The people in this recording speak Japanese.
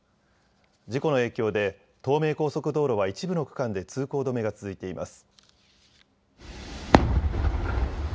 事故の影響で東名高速道路は一部の区間で通行止めが続いています。